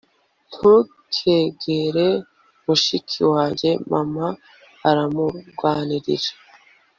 ntukegere, mushiki wanjye, mama aramurwanirira